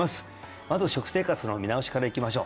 まず食生活の見直しからいきましょう